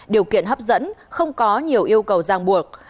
điều kiện hấp dẫn không có nhiều yêu cầu giang buộc